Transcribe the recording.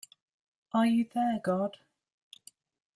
Are You There God?